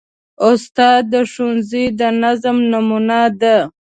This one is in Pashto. استاد د ښوونځي د نظم نمونه ده.